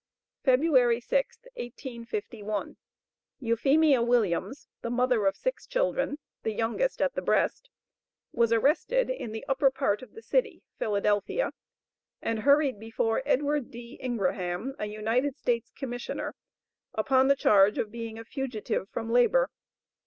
February 6, 1851, Euphemia Williams, the mother of six children, the youngest at the breast, was arrested in the upper part of the city (Philadelphia), and hurried before Edward D. Ingraham, a United States commissioner, upon the charge of being a fugitive from labor.